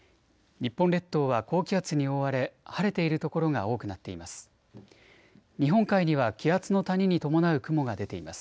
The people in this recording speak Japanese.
日本列島は高気圧に覆われ晴れている所が多くなっています。